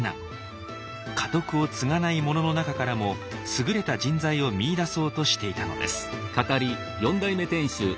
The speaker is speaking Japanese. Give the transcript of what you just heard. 家督を継がない者の中からも優れた人材を見いだそうとしていたのです。